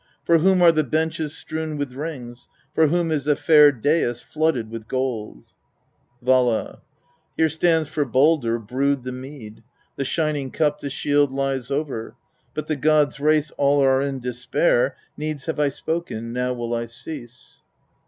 For whom are the benches strewn with rings, for whom is the fair dais flooded with gold ?' Vala. 7. ' Here stands for Baldr brewed the mead, the shining cup, the shield lies over, but the gods' race all are in despair. Needs have I spoken, now will I cease.'